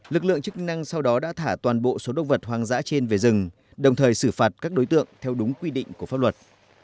lực lượng chức năng sau đó đã thả toàn bộ số động vật hoang dã trên về rừng đồng thời xử phạt các đối tượng theo đúng quy định của pháp luật